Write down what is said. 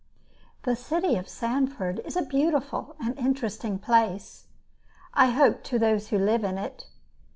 The city of Sanford is a beautiful and interesting place, I hope, to those who live in it.